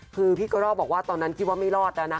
คือพี่กะรอบอกว่าตอนนั้นคิดว่าไม่รอดแล้วนะคะ